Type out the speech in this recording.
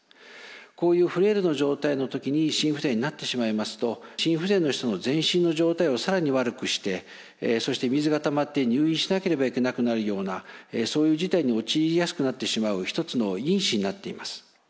こういうフレイルの状態の時に心不全になってしまいますと心不全の人の全身の状態を更に悪くしてそして水がたまって入院しなければいけなくなるようなそういう事態に陥りやすくなってしまう一つの因子になっています。